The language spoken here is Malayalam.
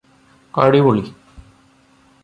അടിപൊളി